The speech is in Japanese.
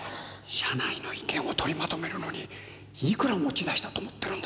社内の意見を取りまとめるのにいくら持ち出したと思ってるんだ？